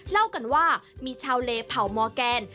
เล่ากันว่ามีชาวเลเผ่ามอร์แกน